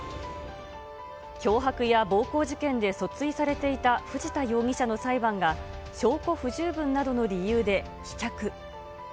脅迫や暴行事件で訴追されていた藤田容疑者の裁判が、証拠不十分などの理由で棄却。